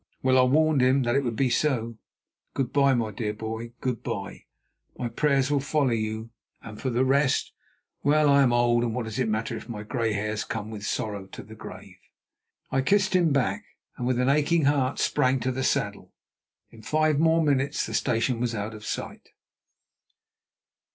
Well, I warned him that it would be so. Good bye, my dear boy, good bye: my prayers will follow you, and for the rest—Well, I am old, and what does it matter if my grey hairs come with sorrow to the grave?" I kissed him back, and with an aching heart sprang to the saddle. In five more minutes the station was out of sight.